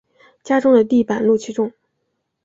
家中的地板露气重